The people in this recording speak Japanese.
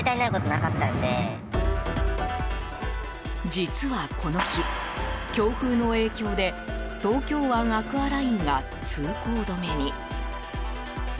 実はこの日、強風の影響で東京湾アクアラインが通行止めに。